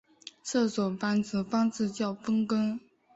这种繁殖方式叫分根。